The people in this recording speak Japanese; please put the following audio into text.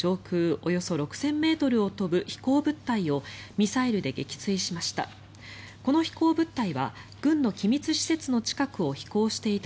およそ６０００ｍを飛ぶ飛行物体をミサイルで撃墜しました。